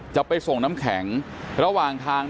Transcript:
จะไปส่งน้ำแข็งระหว่างทาง